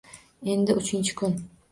Endi uchinchi kun